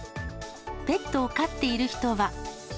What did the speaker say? ペットを飼っている人は。